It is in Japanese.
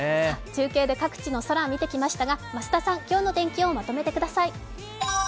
中継で各地の空見てきましたが、増田さん、今日の天気をまとめてください。